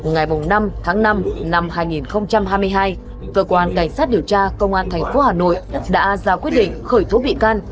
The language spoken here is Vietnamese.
ngày năm tháng năm năm hai nghìn hai mươi hai cơ quan cảnh sát điều tra công an tp hà nội đã ra quyết định khởi tố bị can